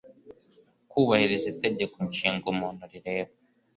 kubahiriza itegeko nshinga muntu rireba